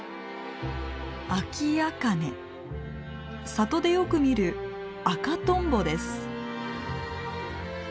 里でよく見る赤とんぼです。